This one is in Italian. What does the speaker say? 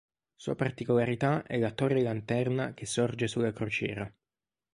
Sua particolarità è la torre-lanterna che sorge sulla crociera.